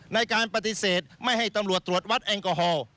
ในการปฏิเสธไม่ให้ตำรวจตรวจวัดแอลกอฮอล์